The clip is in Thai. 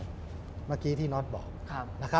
เมื่อกี้ที่นอสบอก